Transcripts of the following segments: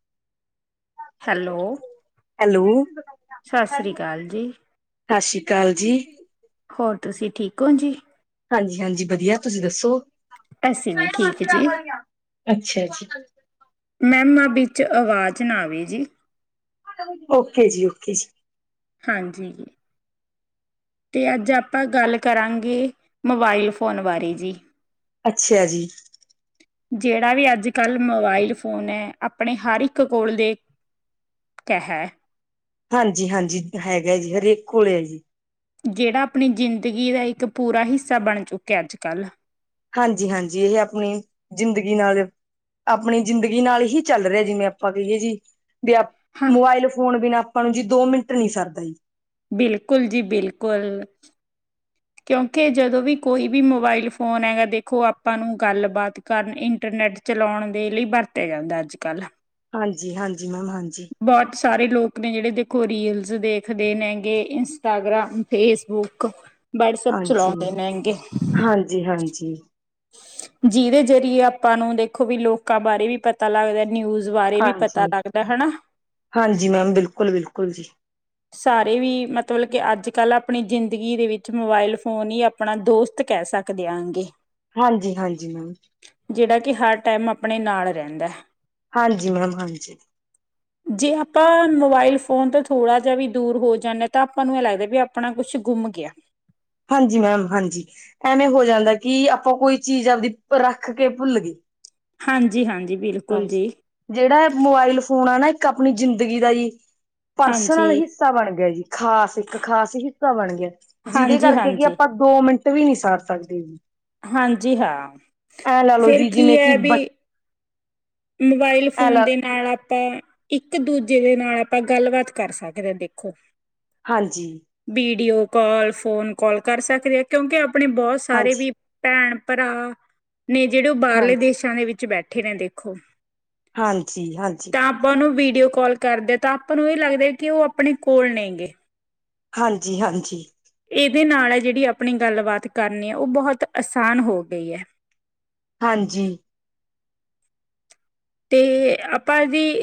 [inaudible] Hello! Hello ਸਤਿ ਸ੍ਰੀ ਅਕਾਲ ਜੀ। ਸਤਿ ਸ਼੍ਰੀ ਅਕਾਲ ਜੀ। ਹੋਰ, ਤੁਸੀਂ ਠੀਕ ਓਂ ਜੀ? ਹਾਂਜੀ-ਹਾਂਜੀ ਵਧੀਆ। ਤੁਸੀਂ ਦੱਸੋ? ਅਸੀ ਵੀ ਠੀਕ ਜੀ। ਅੱਛਾ-ਅੱਛਾ। ''ਮੈਂਮ' ਆ, ਵਿੱਚ ਆਵਾਜ਼ ਨਾ ਆਵੇ ਜੀ। ਓਕੇ ਜੀ, ਓਕੇ ਜੀ। ਹਾਂਜੀ। ਤੇ, ਅੱਜ ਆਪਾਂ ਗੱਲ ਕਰਾਂਗੇ, ਮੋਬਾਈਲ ਫੋਨ ਬਾਰੇ ਜੀ। ਅੱਛਾ ਜੀ। ਜਿਹੜਾ ਵੀ ਅੱਜ- ਕੱਲ੍ਹ ਮੋਬਾਈਲ ਫੋਨ ਹੈ, ਆਪਣੇ ਹਰ ਇੱਕ ਕੋਲ ਦੇ ਕੈ, ਹੈ। ਹਾਂਜੀ-ਹਾਂਜੀ ਹੈਗਾ ਜੀ, ਹਰੇਕ ਕੋਲੇ ਹੈ, ਜੀ। ਜਿਹੜਾ ਆਪਣੀ ਜ਼ਿੰਦਗੀ ਦਾ ਇੱਕ ਪੂਰਾ ਹਿੱਸਾ ਬਣ ਚੁੱਕਿਆ ਅੱਜ-ਕੱਲ੍ਹ। ਹਾਂਜੀ-ਹਾਂਜੀ ਇਹ ਆਪਣੀ ਜ਼ਿੰਦਗੀ ਨਾਲ ਆਪਣੀ ਜ਼ਿੰਦਗੀ ਨਾਲ ਹੀ ਚੱਲ ਰਿਹਾ ਜਿਵੇਂ, ਆਪਾਂ ਕਹੀਏ ਜੀ। ਵੀ ਹਾਂ, ਮੋਬਾਇਲ ਫੋਨ ਬਿਨਾਂ, ਆਪਾਂ ਨੂੰ ਜੀ ਦੋ-ਮਿੰਟ ਨੀ ਸਰਦਾ ਜੀ। ਬਿਲਕੁਲ ਜੀ, ਬਿਲਕੁਲ। ਕਿਉਂਕਿ, ਜਦੋਂ ਵੀ ਕੋਈ ਵੀ ਮੋਬਾਇਲ ਫੋਨ ਹੈਗਾ। ਦੇਖੋ ਆਪਾਂ ਨੂੰ ਗੱਲਬਾਤ ਕਰਨ ਇੰਟਰਨੈਟ ਚਲਾਉਣ ਦੇ ਲਈ, ਬਰਤਿਆ ਜਾਂਦਾ ਅੱਜ- ਕੱਲ। ਹਾਂਜੀ-ਹਾਂਜੀ, ਮੈਮ ਹਾਂਜੀ। ਸਾਰੇ ਲੋਕ ਨੇ, ਜਿਹੜੇ ਦੇਖੋ ਰੀਲਸ ਦੇਖਦੇ ਨੇਂ, ਗੇ ਇੰਸਟਾਗ੍ਰਾਮ, ਫੇਸਬੁੱਕ ਵਟਸਐਪ ਹਾਂਜੀ ਚਲਾਉਂਦੇ ਹੈਗੇ। ਹਾਂਜੀ ਹਾਂਜੀ ਜਿਹਦੇ ਜਰੀਏ ਆਪਾਂ ਨੂੰ ਦੇਖੋ ਵੀ ਲੋਕਾਂ ਬਾਰੇ ਵੀ ਪਤਾ ਲੱਗਦਾ ਨਿਊਜ਼ ਬਾਰੇ ਵੀ ਪਤਾ ਹਾਂਜੀ ਲੱਗਦਾ ਹੈ ਨਾ। ਹਾਂਜੀ ਮੈਮ ਬਿਲਕੁਲ -ਬਿਲਕੁਲ ਜੀ। ਸਾਰੇ ਵੀ ਮਤਲਬ ਕੇ ਅੱਜ ਕੱਲ੍ਹ ਆਪਣੀ ਜ਼ਿੰਦਗੀ ਦੇ ਵਿੱਚ ਮੋਬਾਇਲ ਫੋਨ ਹੀ ਆਪਣਾ ਦੋਸਤ ਕਹਿ ਸਕਦੇ ਆਗੇ ਹਾਂਜੀ ਹਾਂਜੀ ਮੈਮ ਜਿਹੜਾ ਕਿ ਹਰ ਟਾਈਮ ਆਪਾਂ ਆਪਣੇ ਨਾਲ ਰਹਿੰਦਾ। ਹਾਂਜੀ ਮੈਮ ਹਾਂਜੀ। ਜੇ ਆਪਾਂ ਮੋਬਾਇਲ ਫੋਨ ਤਾਂ ਥੋੜਾ ਜਿਹਾ ਵੀ ਦੂਰ ਹੋ ਜਾਂਦੇ ਤਾਂ ਆਪਾਂ ਨੂੰ ਇਹ ਲੱਗਦਾ ਵੀ ਆਪਣਾ ਕੁਛ ਗੁੰਮ ਗਿਆ। ਹਾਂਜੀ ਮੈਮ ਹਾਂਜੀ ਐਵੇਂ ਹੋ ਜਾਂਦਾ ਕਿ ਆਪਾਂ ਕੋਈ ਚੀਜ਼ ਆਪਦੀ ਰੱਖ ਕੇ ਭੁੱਲ ਗਏ। ਹਾਂਜੀ- ਹਾਂਜੀ। ਬਿਲਕੁਲ ਹਾਂਜੀ ਜੀ ਜਿਹੜਾ ਮੋਬਾਇਲ ਫੋਨ ਆ ਨਾ ਇੱਕ ਆਪਣੀ ਜ਼ਿੰਦਗੀ ਦਾ ਜੀ ਹਾਂਜੀ ਪਰਸਨਲ ਹਿੱਸਾ ਬਣ ਗਿਆ ਜੀ ਖਾਸ ਇੱਕ ਖਾਸ ਹਿੱਸਾ ਬਣ ਗਿਆ। ਜਿਹਦੇ ਹਾਂਜੀ ਕਰਕੇ ਕਿ ਹਾਂਜੀ ਆਪਾਂ ਦੋ ਮਿੰਟ ਵੀ ਨਹੀਂ ਸਾਰ ਸਕਦੇ ਜੀ। ਹਾਂਜੀ ਹਾਂ ਐਂ ਲਾ ਲਓ ਫਿਰ ਜੀ ਕੀ ਜਿਵੇਂ ਕਿ ਹੈ ਬ ਵੀ ਮੋਬਾਇਲ ਐ ਫੋਨ ਲਾ ਦੇ ਨਾਲ ਆਪਾਂ ਇੱਕ ਦੂਜੇ ਜਿਹਦੇ ਨਾਲ ਆਪਾਂ ਗੱਲਬਾਤ ਕਰ ਸਕਦੇ ਹਾਂ ਦੇਖੋ ਹਾਂਜੀ। ਵੀਡੀਓ ਕਾਲ ਫੋਨ ਕਾਲ ਕਰ ਸਕਦੇ ਆ ਕਿਉਂਕਿ ਆਪਣੇ ਬਹੁਤ ਸਾਰੇ ਹਾਂਜੀ ਵੀ ਭੈਣ, ਭਰਾ ਨੇ ਜਿਹੜੇ ਉਹ ਬਾਹਰਲੇ ਹਾਂਜੀ ਦੇਸਾਂ ਦੇ ਵਿੱਚ ਬੈਠੇ ਨੇ ਦੇਖੋ। ਹਾਂਜੀ -ਹਾਂਜੀ। ਡੀਓ ਕਾਲ ਕਰਦੇ ਤਾਂ ਆਪਾਂ ਨੂੰ ਇਹ ਲੱਗਦਾ ਕਿ ਉਹ ਆਪਣੇ ਕੋਲ ਨਹੀਂ ਗੇ। ਹਾਂਜੀ -ਹਾਂਜੀ । ਇਹਦੇ ਨਾਲ ਹੈ ਜਿਹੜੀ ਆਪਣੀ ਗੱਲਬਾਤ ਕਰਨੀ ਹੈ ਉਹ ਬਹੁਤ ਆਸਾਨ ਹੋ ਗਈ ਹੈ। ਹਾਂਜੀ। ਤੇ ਆਪਾਂ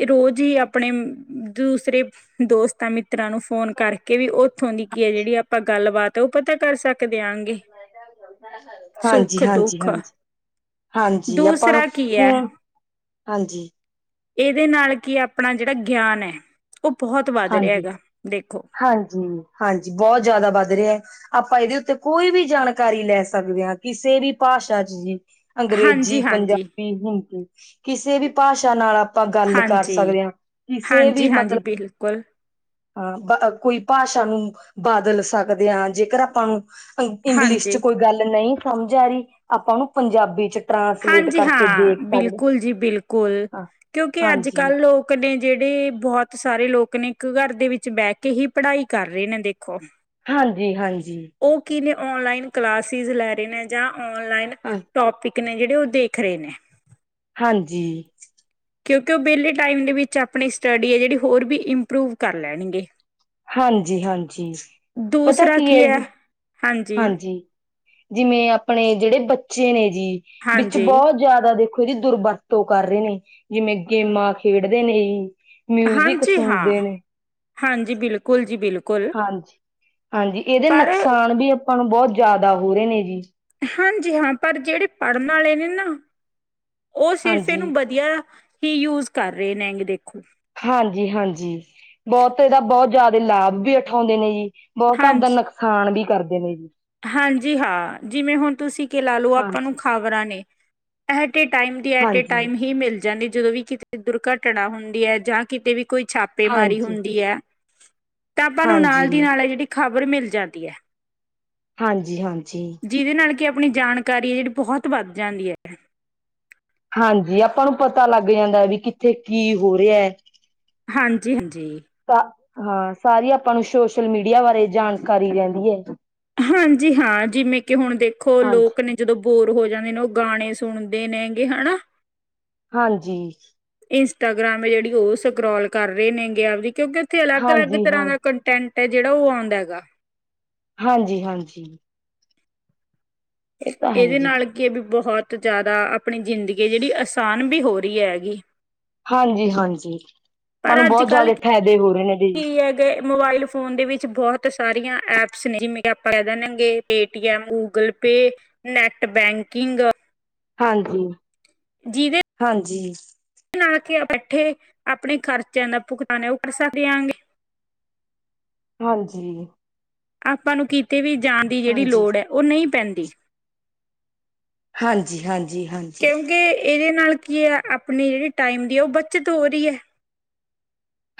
ਰੋਜ਼ ਹੀ ਆਪਣੇ ਦੂਸਰੇ ਦੋਸਤਾਂ ਮਿੱਤਰਾਂ ਨੂੰ ਫੋਨ ਕਰਕੇ ਵੀ ਉੱਥੋਂ ਦੀ ਕੀ ਹੈ ਜਿਹੜੀ ਆਪਾਂ ਗੱਲਬਾਤ ਆ ਉਹ ਪਤਾ ਕਰ ਸਕਦੇ ਆਗੇ। ਹਾਂਜੀ ਹਾਂਜੀ ਹਾਂਜੀ। ਹਾਂਜੀ ਆਪਾਂ ਦੂਸਰਾ ਕੀ ਹੈ ਹਾਂ ਹਾਂਜੀ। ਇਹਦੇ ਨਾਲ ਕੀ ਆਪਣਾ ਜਿਹੜਾ ਗਿਆਨ ਹੈ। ਉਹ ਬਹੁਤ ਵੱਧ ਰਿਹਾ ਹਾਂਜੀ ਹੈਗਾ ਦੇਖੋ ਹਾਂਜੀ ਹਾਂਜੀ ਬਹੁਤ ਜ਼ਿਆਦਾ ਵੱਧ ਰਿਹਾ ਆਪ ਆਪਾਂ ਇਹਦੇ ਉੱਤੇ ਕੋਈ ਵੀ ਜਾਣਕਾਰੀ ਲੈ ਸਕਦੇ ਹਾਂ ਕਿਸੇ ਵੀ ਭਾਸ਼ਾ ਚ ਜੀ। ਹਾਂਜੀ ਅੰਗਰੇਜ਼ੀ ਹਾਂਜੀ ਪੰਜਾਬੀ ਹਿੰਦੀ ਕਿਸੇ ਵੀ ਭਾਸ਼ਾ ਨਾਲ ਆਪਾਂ ਗੱਲ ਕਰ ਹਾਂਜੀ ਸਕਦੇ ਹਾਂ ਕਿਸੇ ਵੀ ਹਾਂਜੀ ਹਾਂਜੀ ਮਤਲਬ ਬਿਲਕੁਲ ਹਾਂ ਕੋਈ ਭਾਸ਼ਾ ਨੂੰ ਬਦਲ ਸਕਦੇ ਹਾਂ ਜੇਕਰ ਆਪਾਂ ਨੂੰ ਇੰਗਲਿਸ਼ ਚ ਹਾਂਜੀ ਕੋਈ ਗੱਲ ਨਹੀਂ ਸਮਝ ਆ ਰਹੀ ਆਪਾਂ ਉਹਨੂੰ ਪੰਜਾਬੀ ਚ ਟਰਾਂਸਲੇਟ ਹਾਂਜੀ ਕਰਕੇ ਹਾਂ ਦੇਖ ਸਕਦੇ ਬਿਲਕੁਲ ਜੀ ਬਿਲਕੁਲ। ਹਾਂ ਕਿਉਂਕਿ ਅੱਜ ਹਾਂਜੀ ਕੱਲ ਲੋਕ ਨੇ ਜਿਹੜੇ ਬਹੁਤ ਸਾਰੇ ਲੋਕ ਨੇ ਇੱਕ ਘਰ ਦੇ ਵਿੱਚ ਬਹਿ ਕੇ ਹੀ ਪੜ੍ਹਾਈ ਕਰ ਰਹੇ ਨੇ ਦੇਖੋ। ਹਾਂਜੀ ਹਾਂਜੀ। ਉਹ ਕੀ ਨੇ ਓਨਲਾਈਨ ਕਲਾਸ ਲੈ ਰਹੇ ਨੇ ਜਾਂ ਓਨਲਾਈਨ ਹਾਂ, ਟੋਪਿਕ ਨੇ ਜਿਹੜੇ ਉਹ ਦੇਖ ਰਹੇ ਨੇ। ਹਾਂਜੀ। ਕਿਉਂਕਿ ਉਹ ਵਿਹਲੇ ਟਾਈਮ ਦੇ ਵਿੱਚ ਆਪਣੀ ਸਟੱਡੀ ਹੈ ਜਿਹੜੀ ਹੋਰ ਵੀ ਇੰਪਰੂਵ ਕਰ ਲੈਣਗੇ। ਹਾਂਜੀ ਹਾਂਜੀ ਪਤਾ ਕੀ ਹੈ ਜੀ। ਹਾਂਜੀ ਜਿਵੇਂ ਆਪਣੇ ਜਿਹੜੇ ਬੱਚੇ ਬੱਚੇ ਨੇ ਜੀ ਵਿੱਚ ਹਾਂਜੀ ਬਹੁਤ ਜ਼ਿਆਦਾ ਦੇ ਅੱਖੋ ਦੀ ਦੁਰਵਰਤੋਂ ਕਰ ਰਹੇ ਨੇ ਜਿਵੇਂ ਗੇਮਾਂ ਖੇਡਦੇ ਨੇ ਮਿਊਜ਼ਿਕ ਹਾਂਜੀ ਹਾਂ ਸੁਣਦੇ ਨੇ। ਹਾਂਜੀ ਬਿਲਕੁਲ ਜੀ ਬਿਲਕੁਲ। ਹਾਂਜੀ -ਹਾਂਜੀ। ਇਹਦੇ ਪਰ ਨੁਕਸਾਨ ਵੀ ਆਪਾਂ ਨੂੰ ਬਹੁਤ ਜ਼ਿਆਦਾ ਹੋ ਰਹੇ ਨੇ ਜੀ। ਹਾਂਜੀ ਹਾਂ। ਪਰ ਜਿਹੜੇ ਪੜ੍ਹਨ ਵਾਲੇ ਨੇ ਨਾ। ਉਹ ਸਿਰਫ ਹਾਂਜੀ ਇਹਨੂੰ ਵਧੀਆ ਹੀ ਯੂਜ ਕਰ ਰਹੇ ਨੇਗੇ ਦੇਖੋ। ਹਾਂਜੀ- ਹਾਂਜੀ ਬਹੁਤ ਇਹਦਾ ਬਹੁਤ ਜ਼ਿਆਦਾ ਲਾਭ ਵੀ ਉਠਾਉਂਦੇ ਨੇ ਜੀ। ਬਹੁਤਾ ਆਪਦਾ ਹਾਂਜੀ ਨੁਕਸਾਨ ਵੀ ਕਰਦੇ ਨੇ ਜੀ। ਹਾਂਜੀ ਹਾਂ ।ਜਿਵੇਂ ਹੁਣ ਤੁਸੀਂ ਕਿ ਲਾ ਲਓ, ਆਪਾਂ ਨੂੰ ਹਾਂਜੀ ਖ਼ਬਰਾਂ ਨੇ ਇਹ ਟਾਈਮ ਦੀ ਐਟੇ ਹਾਂਜੀ ਟਾਈਮ ਹੀ ਮਿਲ ਜਾਂਦੀ ਜਦੋਂ ਵੀ ਕਿਤੇ ਦੁਰਘਟਨਾ ਹੁੰਦੀ ਹੈ। ਜਾਂ ਕਿਤੇ ਵੀ ਕੋਈ ਛਾਪੇਮਾਰੀ ਹਾਂਜੀ ਹੁੰਦੀ ਹੈ। ਤਾਂ ਆਪਾਂ ਨੂੰ ਹਾਂਜੀ ਨਾਲ ਦੀ ਨਾਲ ਇਹ ਜਿਹੜੀ ਖਬਰ ਮਿਲ ਜਾਂਦੀ ਹੈ। ਹਾਂਜੀ -ਹਾਂਜੀ। ਜਿਹਦੇ ਨਾਲ ਕਿ ਆਪਣੀ ਜਾਣਕਾਰੀ ਜਿਹੜੀ ਬਹੁਤ ਵੱਧ ਜਾਂਦੀ ਹੈ। ਹਾਂਜੀ। ਆਪਾਂ ਨੂੰ ਪਤਾ ਲੱਗ ਜਾਂਦਾ ਵੀ ਕਿੱਥੇ ਕੀ ਹੋ ਰਿਹਾ ਹੈ। ਹਾਂਜੀ -ਹਾਂਜੀ। ਤਾਂ ਹਾਂ। ਸਾਰੀ ਆਪਾਂ ਨੂੰ ਸੋਸ਼ਲ ਮੀਡੀਆ ਬਾਰੇ ਜਾਣਕਾਰੀ ਰਹਿੰਦੀ ਹੈ। ਹਾਂਜੀ ਹਾਂ ਜਿਵੇਂ ਕਿ ਹੁਣ ਦੇਖੋ ਹਾਂਜੀ ਲੋਕ ਨੇ ਜਦੋਂ ਬੋਰ ਹੋ ਜਾਂਦੇ ਨੇ ਉਹ ਗਾਣੇ ਸੁਣਦੇ ਨੇ ਹੈਗੇ ਹਨਾ। ਹਾਂਜੀ। ਇੰਸਟਾਗ੍ਰਾਮ ਹੈ ਜਿਹੜੀ ਉਹ ਸਕਰੋਲ ਕਰ ਰਹੇ ਨੇਗੇ ਆਪਦੀ ਕਿਉਂਕਿ ਉੱਥੇ ਅਲੱਗ- ਅਲੱਗ ਹਾਂਜੀ ਤਰ੍ਹਾਂ ਹਾਂ ਦਾ ਕੰਟੈਂਟ ਜਿਹੜਾ ਉਹ ਆਉਂਦਾ ਹੈਗਾ। ਹਾਂਜੀ -ਹਾਂਜੀ। ਇਹ ਤਾਂ ਹੈ ਇਹਦੇ ਜੀ ਨਾਲ ਕੀ ਇਹ ਵੀ ਬਹੁਤ ਬਹੁਤ ਜ਼ਿਆਦਾ, ਆਪਣੀ ਜ਼ਿੰਦਗੀ ਜਿਹੜੀ ਆਸਾਨ ਵੀ ਹੋ ਰਹੀ ਹੈਗੀ- ਹਾਂਜੀ -ਹਾਂਜੀ ਮਨ ਪਰ ਨੂੰ ਬਹੁਤ ਅੱਜ-ਕੱਲ੍ਹ ਜ਼ਿਆਦਾ ਫਾਇਦੇ ਹੋ ਰਹੇ ਨੇ। ਜੀ ਕੀ ਹੈਗੇ ਮੋਬਾਇਲ ਫੋਨ ਦੇ ਵਿੱਚ ਬਹੁਤ ਬਹੁਤ ਸਾਰੀਆਂ ਐਪਸ ਨੇ ਜਿਵੇਂ ਕਿ ਆਪਾਂ ਕਹਿ ਦੇਣਗੇ Paytm, Google Pay, net bank [inaudible] ਹਾਂਜੀ। ਜਿਦੇ ਹਾਂਜੀ ਹਾਂਜੀ ਨਾਲ ਤੇ ਆਪਣੇ ਖਰਚਿਆਂ ਦਾ ਭੁਗਤਾਨ ਹੈ। ਉਹ ਕਿਸ ਦੇਿਆਂਗੇ। ਹਾਂਜੀ। ਆਪਾਂ ਨੂੰ ਕਿਤੇ ਵੀ ਜਾਣ ਦੀ ਜਿਹੜੀ ਲੋੜ ਹੈ, ਉਹ ਨਹੀਂ ਪੈਂਦੀ। ਹਾਂਜੀ ਹਾਂਜੀ ਹਾਂਜੀ ਕਿਉਂਕਿ, ਇਹਦੇ ਨਾਲ ਕੀ ਹੈ। ਆਪਣੀ ਜਿਹੜੀ ਟਾਈਮ ਦੀ ਹੈ, ਉਹ ਬੱਚਤ ਹੋ ਰਹੀ ਹੈ।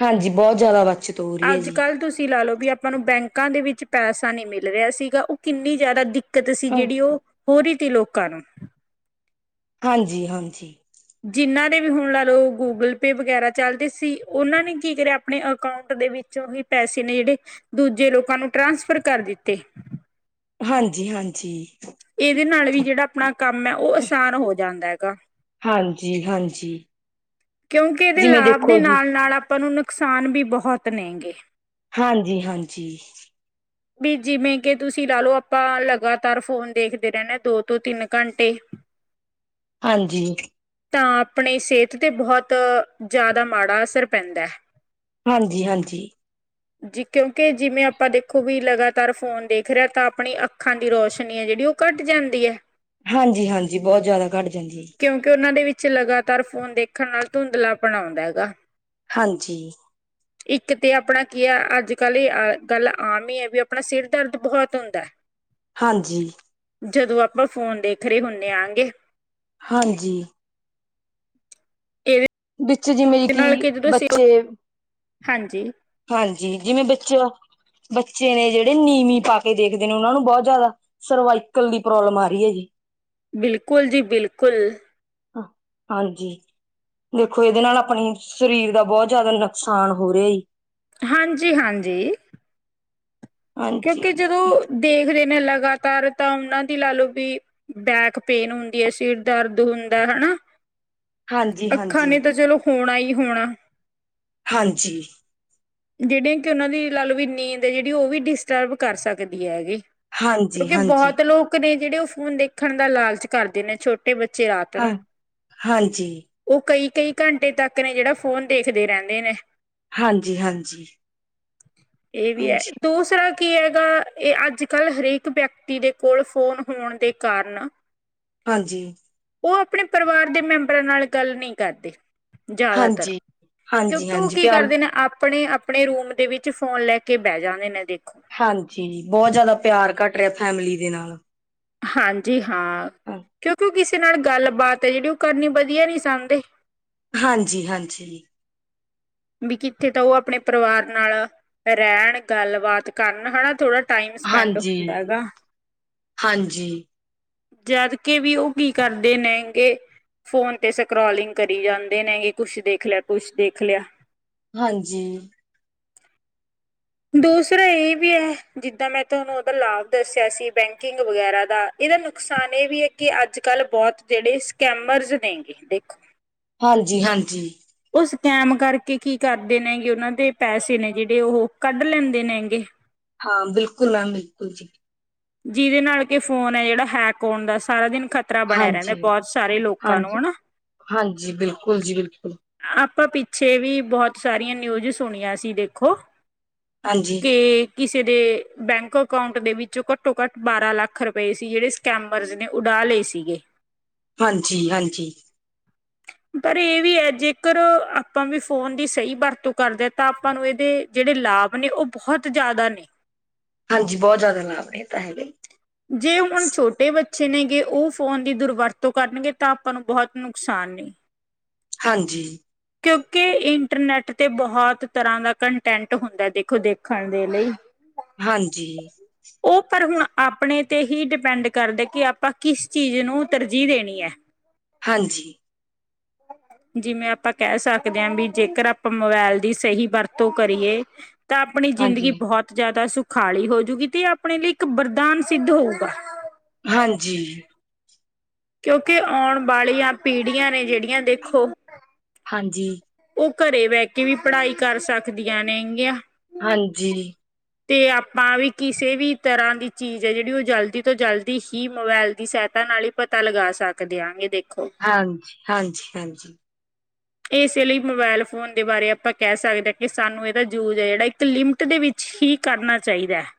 ਹਾਂਜੀ। ਬਹੁਤ ਜ਼ਿਆਦਾ ਬੱਚਤ ਹੋ ਰਹੀ ਹੈ ਅੱਜ ਜੀ ਕੱਲ੍ਹ ਤੁਸੀਂ ਲਾ ਲੋਓ ਵੀ ਆਪਾਂ ਨੂੰ ਬੈਂਕ ਲੋਕਾਂ ਦੇ ਵਿੱਚ ਪੈਸਾ ਨਹੀਂ ਮਿਲ ਰਿਹਾ ਸੀਗਾ। ਉਹ ਕਿੰਨੀ ਜ਼ਿਆਦਾ ਦਿੱਕਤ ਸੀ। ਹਾਂ ਜਿਹੜੀ ਉਹ ਹੋਰ ਤੇ ਲੋਕ ਕਾਰਨ- ਹਾਂਜੀ- ਹਾਂਜੀ। ਜਿੰਨਾਂ ਦੇ ਵੀ ਹੁਣ ਲਾ ਲਓ, ਗੂਗਲ ਪੇ ਵਗੈਰਾ ਚੱਲਦੇ ਸੀ। ਉਹਨਾਂ ਨੇ ਕੀ ਕਰਿਆ ਆਪਣੇ ਅਕਾਊਂਟ ਦੇ ਵਿੱਚੋਂ ਹੀ ਪੈਸੇ ਨੇ, ਜਿਹੜੇ ਦੂਜੇ ਲੋਕਾਂ ਨੂੰ ਟ੍ਰਾਂਸਫਰ ਕਰ ਦਿੱਤੇ। ਹਾਂਜੀ -ਹਾਂਜੀ ਇਹਦੇ ਨਾਲ ਵੀ ਜਿਹੜਾ ਆਪਣਾ ਕੰਮ ਹੈ, ਉਹ ਆਸਾਨ ਹੋ ਜਾਂਦਾ ਹੈਗਾ। ਹਾਂਜੀ ਹਾਂਜੀ ਕਿਉਂਕਿ, ਇਹਦੇ ਜਿਵੇਂ ਲਾਭ ਦੇ ਦੇਖੋ ਜੀ ਨਾਲ- ਨਾਲ ਆਪਾਂ ਨੂੰ ਨੁਕਸਾਨ ਵੀ ਬਹੁਤ ਨੇਗੇ। ਹਾਂਜੀ -ਹਾਂਜੀ। ਵੀ ਜਿਵੇਂ, ਕਿ ਤੁਸੀਂ ਲਾ ਲੋ ਆਪਾਂ ਲਗਾਤਾਰ ਫੋਨ ਦੇਖਦੇ ਰਹਿੰਦੇ ਦੋ ਤੋਂ ਤਿੰਨ ਘੰਟੇ ਹਾਂਜੀ। ਤਾਂ ਆਪਣੀ ਸਿਹਤ ਤੇ ਬਹੁਤ ਜ਼ਿਆਦਾ ਮਾੜਾ ਅਸਰ ਪੈਂਦਾ ਹੈ। ਹਾਂਜੀ- ਹਾਂਜੀ। ਜੀ ਕਿਉਂਕਿ ਜਿਵੇਂ ਆਪਾਂ ਦੇਖੋ ਵੀ ਲਗਾਤਾਰ ਫੋਨ ਦੇਖ ਰਿਹਾ ਤਾਂ ਆਪਣੀ ਅੱਖਾਂ ਦੀ ਰੋਸ਼ਨੀ ਹੈ ਜਿਹੜੀ ਉਹ। ਘੱਟ ਜਾਂਦੀ ਹੈ। ਹਾਂਜੀ ਹਾਂਜੀ ਬਹੁਤ ਜ਼ਿਆਦਾ ਘੱਟ ਜਾਂਦੀ ਹੈ। ਕਿਉਂਕਿ ਉਹਨਾਂ ਦੇ ਵਿੱਚ ਲਗਾਤਾਰ ਫੋਨ ਦੇਖਣ ਨਾਲ ਧੁੰਦਲਾਪਣ ਆਉਂਦਾ ਹੈਗਾ। ਹਾਂਜੀ, ਇੱਕ ਤੇ ਆਪਣਾ। ਕੀ ਆ ਅੱਜ ਕੱਲ੍ਹ ਇਹ ਅਹ ਗੱਲ ਆਮ ਹੀ ਹੈ ਵੀ ਆਪਣਾ ਸਿਰ ਦਰਦ ਬਹੁਤ ਹੁੰਦਾ। ਹਾਂਜੀ। ਹੈ ਜਦੋਂ ਆਪਾਂ ਫੋਨ ਦੇਖ ਰਹੇ ਹੁੰਦੇ ਆਂਗੇ। ਹਾਂਜੀ। ਇਹਦੇ ਵਿੱਚ ਜਿਵੇਂ ਕਿ ਨਾਲ ਜਦੋਂ ਸਿਰ ਬੱਚੇ ਹਾਂਜੀ। ਹਾਂਜੀ ਜਿਵੇਂ ਬੱਚੇ ਬੱਚੇ ਨੇ ਜਿਹੜੇ ਨੀਵੀਂ ਪਾ ਕੇ ਦੇਖਦੇ ਨੇ ਉਹਨਾਂ ਨੂੰ ਬਹੁਤ ਜ਼ਿਆਦਾ ਸਰਵਾਈਕਲ ਦੀ ਪ੍ਰੋਬਲਮ ਆ ਰਹੀ ਹੈ ਜੀ। ਬਿਲਕੁਲ ਜੀ ਬਿਲਕੁਲ। ਹਾਂਜੀ। ਦੇਖੋ ਇਹਦੇ ਨਾਲ ਆਪਣੇ ਸ਼ਰੀਰ ਦਾ ਬਹੁਤ ਜ਼ਿਆਦਾ ਨੁਕਸਾਨ ਹੋ ਰਿਹਾ। ਹਾਂਜੀ ਹਾਂਜੀ। ਹਾਂਜੀ, ਕਿਉਂਕਿ ਜਦੋਂ ਦੇਖ ਰ ਮੈਂ ਲਗਾਤਾਰ ਤਾਂ ਉਹਨਾਂ ਦੀ ਲਾ ਲਓ ਵੀ ਬੈਕ ਪੇਨ ਹੁੰਦੀ ਹੈ। ਸਿਰ ਦਰਦ ਹੁੰਦਾ ਹੈਨਾ। ਹਾਂਜੀ ਹਾਂਜੀ। ਹੋਣਾ ਹੀ ਹੋਣਾ। ਹਾਂਜੀ। ਜਿਹੜੇ ਕਿ ਉਹਨਾਂ ਦੀ ਲਾ ਲਓ ਵੀ ਨੀਂਦ ਹੈ ਜਿਹੜੀ ਉਹ ਵੀ ਡਿਸਟਰਬ ਕਰ ਸਕਦੀ ਹੈਗੀ। ਕਿਉਂਕਿ ਹਾਂਜੀ-ਹਾਂਜੀ, ਬਹੁਤ ਲੋਕ ਨੇ ਜਿਹੜੇ ਉਹ ਫੋਨ ਦੇਖਣ ਦਾ ਲਾਲਚ ਕਰਦੇ ਨੇ। ਛੋਟੇ ਛੋਟੇ ਬੱਚੇ ਰਾਤ ਹਾਂ ਨੂੰ। ਹਾਂਜੀ, ਉਹ ਕਈ ਕਈ ਘੰਟੇ ਤੱਕ ਨੇ ਜਿਹੜਾ ਫੋਨ ਦੇਖਦੇ ਰਹਿੰਦੇ ਨੇ। ਹਾਂ ਇਹ ਵੀ ਹੈ ਹਾਂਜੀ, ਦੂਸਰਾ ਕੀ ਹੈਗਾ ਇਹ ਅੱਜ ਕੱਲ ਹਰੇਕ ਵਿਅਕਤੀ ਦੇ ਕੋਲ ਫੋਨ ਹੋਣ ਦੇ ਕਾਰਨ ਹਾਂਜੀ। ਉਹ ਆਪਣੇ ਪਰਿਵਾਰ ਦੇ ਮੈਂਬਰਾਂ ਨਾਲ ਗੱਲ ਨਹੀਂ ਕਰਦੇ। ਜ਼ਿਆਦਾਤਰ ਹਾਂਜੀ। ਕਿਉਂਕਿ ਉਹ ਹਾਂਜੀ-ਹਾਂਜੀ ਕੀ ਪਿਆਰ ਕਰਦੇ ਨੇ ਆਪ ਆਪਣੇ ਰੂਮ ਦੇ ਵਿੱਚ ਫੋਨ ਲੈ ਕੇ ਬਹਿ ਜਾਂਨਦੇ ਨੇ । ਹਾਂਜੀ ਬਹੁਤ ਜ਼ਿਆਦਾ ਪਿਆਰ ਘੱਟ ਰਿਹਾ ਫੈਮਲੀ ਦੇ ਨਾਲ। ਹਾਂਜੀ ਹਾਂ ਕਿਉਂਕਿ ਕਿਸ ਤੇ ਨਾਲ ਗੱਲਬਾਤ ਹੈ ਜਿਹੜੀ ਉਹ ਕਰਨੀ ਵਧੀਆ ਨੀ ਸਮਦੇ। ਹਾਂਜੀ ਹਾਂਜੀ। ਵੀ ਕਿੱਥੇ ਤਾਂ ਉਹ ਆਪਣੇ ਪਰਿਵਾਰ ਨਾਲ ਰਹਿਣ ਗੱਲਬਾਤ ਕਰਨ ਹੈਨਾ ਥੋੜ੍ਹਾ ਟਾਈਮ ਸਪੈਂਡ ਹਾਂਜੀ ਹੁੰਦਾ ਹੈ ਗਾ। ਹਾਂਜੀ ਜਦ ਕੇ ਵੀ ਉਹ ਕੀ ਕਰਦੇ ਨੇ ਗੇ ਫੋਨ ਤੇ ਸਕਰੋਲਿੰਗ ਕਰੀ ਜਾਂਦੇ ਨੇਗੇ ਕੁਛ ਦੇਖ ਲਿਆ ਕੁਛ ਦੇਖ ਲਿਆ। ਹਾਂਜੀ। ਦੂਸਰਾ ਇਹ ਵੀ ਹੈ ਜਿੱਦਾਂ ਮੈਂ ਤੁਹਾਨੂੰ ਉਹਦਾ ਲਾਭ ਦੱਸਿਆ ਸੀ ਬੈਂਕਿੰਗ ਵਗੈਰਾ ਦਾ। ਇਹਦਾ ਨੁਕਸਾਨ ਇਹ ਵੀ ਹੈ ਕਿ ਅੱਜ ਕੱਲ ਬਹੁਤ ਜਿਹੜੇ ਸਕੈਮਰਜ਼ ਨੇਗੇ ਦੇਖੋ ਹਾਂਜੀ-ਹਾਂਜੀ। ਉਹ ਸਕੈਮ ਕਰਕੇ ਕੀ ਕਰਦੇ ਨੇਗੇ ਉਹਨਾਂ ਦੇ ਪੈਸੇ ਨੇ ਜਿਹੜੇ ਉਹ ਕੱਢ ਲੈਂਦੇ ਨੇ ਗੇ। ਹਾਂ ਬਿਲਕੁਲ ਮੈਮ ਬਿਲਕੁਲ ਜੀ। ਜਿਹਦੇ ਨਾਲ ਕਿ ਫੋਨ ਹੈ ਜਿਹੜਾ ਹੈਕ ਹੋਣ ਦਾ ਸਾਰਾ ਦਿਨ ਖ਼ਤਰਾ ਬਣਿਆ ਰਹਿੰਦੇ ਹੈ ਹਾਂਜੀ ਬਹੁਤ ਸਾਰੇ ਲੋਕਾਂ ਨੂੰ, ਹਾਂਜੀ ਹਨਾ। ਹਾਂਜੀ ਬਿਲਕੁਲ ਜੀ ਬਿਲਕੁਲ ਆਪਾਂ ਪਿੱਛੇ ਵੀ ਬਹੁਤ ਸਾਰੀਆਂ ਨਿਊਜ ਸੁਣੀਆਂ ਸੀ ਦੇਖੋ ਹਾਂਜੀ ਤੇ ਕਿਸੇ ਕਿਸੇ ਦੇ ਬੈਂਕ ਅਕਾਊਂਟ ਦੇ ਵਿੱਚੋਂ ਘੱਟੋ-ਘੱਟ ਬਾਰਾਂ ਲੱਖ ਰੁਪਏ ਸੀ ਜਿਹੜੇ ਸਕੈਮਰਜ਼ ਨੇ ਉਡਾ ਲਿ ਤੇ ਸੀਗੇ। ਹਾਂਜੀ-ਹਾਂਜੀ। ਪਰ ਇਹ ਵੀ ਹੈ ਜੇਕਰ ਆਪਾਂ ਵੀ ਫੋਨ ਦੀ ਸਹੀ ਵਰਤੋਂ ਕਰਦੇ ਹਾਂ ਤਾਂ ਆਪਾਂ ਨੂੰ ਇਹਦੇ ਜਿਹੜੇ ਲਾਭ ਨੇ ਉਹ ਬਹੁਤ ਬਹੁਤ ਜ਼ਿਆਦਾ ਨੇ। ਹਾਂਜੀ, ਬਹੁਤ ਜ਼ਿਆਦਾ ਲਾਭ ਨੇ, ਇਹ ਤਾਂ ਹੈਗਾ ਈ ਏ। ਜੇ ਹੁਣ ਛੋਟੇ ਬੱ ਚੇ ਨੇਗੇ ਉਹ ਫੋਨ ਦੀ ਦੁਰਵਰਤੋਂ ਕਰਨਗੇ ਤਾਂ ਆਪਾਂ ਨੂੰ ਬਹੁਤ ਨੁਕਸਾਨ ਨੇ। ਹਾਂਜੀ। ਕਿਉਂਕਿ ਇੰਟਰਨੈਟ ਤੇ ਬਹੁਤ ਤਰ੍ਹਾਂ ਦਾ ਕੰਟੈਂਟ ਹੁੰਦਾ ਦੇਖੋ ਦੇਖਣ ਦੇ ਲਈ। ਹਾਂਜੀ। ਉਹ ਪਰ ਹੁਣ ਆਪਣੇ ਤੇ ਹੀ ਡਿਪੈਂਡ ਕਰਦੇ ਕਿ ਆਪਾਂ ਕਿਸ ਚੀਜ਼ ਨੂੰ ਤਰਜੀ ਦੇਣੀ ਹੈ। ਹਾਂਜੀ। [inaudible] ਜਿਵੇਂ ਆਪਾਂ ਕਹਿ ਸਕਦੇ ਹਾਂ ਵੀ ਜੇਕਰ ਆਪਾਂ ਮੋਬਾਇਲ ਦੀ ਸਹੀ ਵਰਤੋਂ ਕਰੀਏ ਤਾਂ ਆਪਣੀ ਜ਼ਿੰਦਗੀ ਹਾਂਜੀ ਬਹੁਤ ਜ਼ਿਆਦਾ ਸੁਖਾਲੀ ਹੋਜੂਗੀ ਤੇ ਆਪਣੇ ਲਈ ਇੱਕ ਬਰ ਦਾਨ ਸਿੱਧ ਹੋਊਗਾ। ਹਾਂਜੀ। ਕਿਉਂਕਿ ਆਉਣ ਵਾਲੀਆਂ ਪੀੜ੍ਹੀਆਂ ਨੇ ਜਿਹੜੀਆਂ ਦੇਖੋ ਹਾਂਜੀ। ਉਹ ਘਰੇ ਬਹਿ ਕੇ ਵੀ ਪੜ੍ਹਾਈ ਕਰ ਸਕਦੀਆਂ ਨੇਗੀਆਂ। ਹਾਂਜੀ ਅਤੇ ਆਪਾਂ ਵੀ ਕਿਸੇ ਵੀ ਤਰ੍ਹਾਂ ਦੀ ਚੀਜ਼ ਹੈ ਜਿਹੜੀ ਉਹ ਜਲਦੀ ਤੋਂ ਜਲਦੀ ਹੀ ਮੋਬਾਇਲ ਦੀ ਸਹਾਇਤਾ ਨਾਲ ਹੀ ਪਤਾ ਲਗਾ ਸਕਦੇ ਆਗੇ ਦੇਖ ਹਾਂਜੀ- ਹਾਂਜੀ- ਹਾਂਜੀ। [inaudible] ਇਸੇ ਲਈ ਮੋਬਾਇਲ ਫੋਨ ਦੇ ਬਾਰੇ ਆਪਾਂ ਕਹਿ ਸਕਦੇ ਹਾਂ ਕਿ ਸਾਨੂੰ ਇਹਦਾ ਯੂਜ ਹੈ ਜਿਹੜਾ ਇੱਕ ਲਿਮਟ ਦੇ ਵਿੱਚ ਹੀ ਕੀ ਕਰਨਾ ਚਾਹੀਦਾ ਹੈ।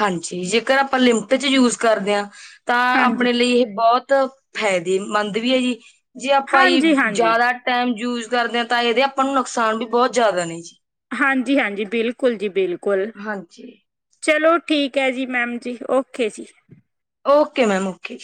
ਹਾਂਜੀ, ਜੇਕਰ ਆਪਾਂ ਲਿਮਟ ਚ ਯੂਜ ਕਰਦੇ ਹਾਂ ਤਾਂ ਹਾਂਜੀ, ਆਪਣੇ ਲਈ ਇਹ ਬਹੁਤ ਫਾਇਦੇਮੰਦ ਵੀ ਹੈ ਜੀ, ਜੇ ਆਪਾਂ ਹਾਂਜੀ, ਹਾਂਜੀ, ਜ਼ਿਆਦਾ ਟਾਈਮ ਯੂਜ ਕਰਦੇ ਹਾਂ ਤਾਂ ਇਹਦੇ ਆਪਾਂ ਨੂੰ ਨੁਕਸਾਨ ਵੀ ਬਹੁਤ ਜ਼ਿਆਦਾ ਨੇ ਜੀ। ਹਾਂਜੀ ਹਾਂਜੀ ਬਿਲਕੁਲ ਜੀ ਬਿਲਕੁਲ। ਹਾਂਜੀ। ਚਲੋ ਠੀਕ ਹੈ ਜੀ, ਮੈਮ ਜੀ, ਓਕੇ ਜੀ। Okay ma'am okay.